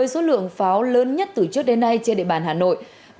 số lượng pháo lớn nhất từ trước đến nay trên địa bàn hà nội